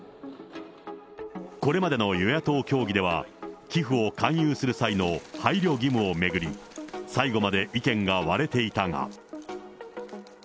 これまでの与野党協議では、寄付を勧誘する際の配慮義務を巡り、最後まで意見が割れていたが。